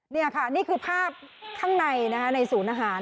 นี่ค่ะนี่คือภาพข้างในในศูนย์อาหาร